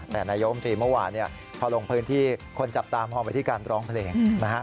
แต่นายยกรัฐมนตรีเมื่อวานเนี่ยพอลงพื้นที่คนจับตามหอมไปที่การร้องเพลง